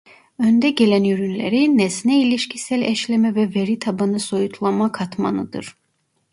Önde gelen ürünleri nesne-ilişkisel eşleme ve veritabanı soyutlama katmanıdır.